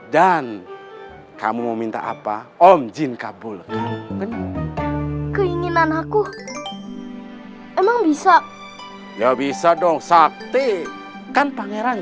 dan kamu mau minta apa om jin kabul keinginan aku emang bisa ya bisa dong sakti kan pangeran